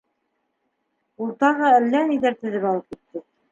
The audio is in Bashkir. — Ул тағы әллә ниҙәр теҙеп алып китте.